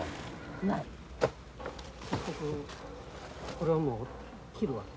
これをもう切るわけ。